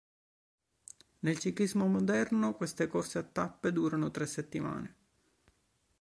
Nel ciclismo moderno queste corse a tappe durano tre settimane.